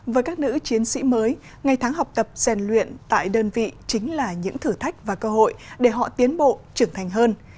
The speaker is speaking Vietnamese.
với các nữ chiến sĩ mới ngày tháng học tập rèn luyện tại đơn vị chính là những thử thách và cơ hội để họ tiến bộ trưởng thành hơn